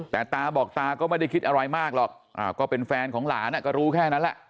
แต่ตาบอกตาก็ไม่ได้คิดอะไรมากหรอกก็เป็นแฟนของหลานก็รู้แค่นั้นแหละ